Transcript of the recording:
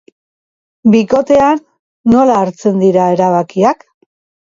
Bikotean, nola hartzen dira erabakiak?